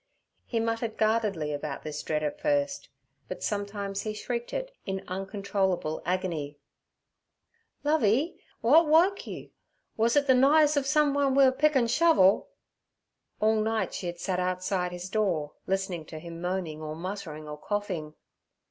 He muttered guardedly about this dread at first, but sometimes he shrieked it in uncontrollable agony. 'Lovey, w'at woke you? Was it the n'ise ov someun wi' a pick and shovel?' All night she had sat outside his door listening to him moaning or muttering or coughing.